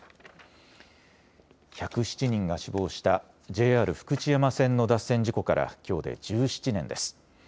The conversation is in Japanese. １０７人が死亡したＪＲ福知山線の脱線事故からきょうで１７年です。